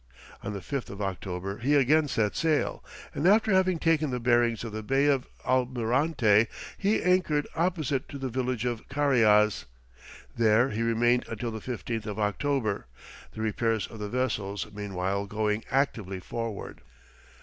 On the 5th of October he again set sail, and after having taken the bearings of the Bay of Almirante, he anchored opposite to the village of Cariaz. There he remained until the 15th of October, the repairs of the vessels meanwhile going actively forward.